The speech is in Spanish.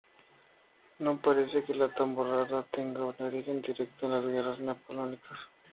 No parece que la Tamborrada tenga un origen directo en las Guerras Napoleónicas.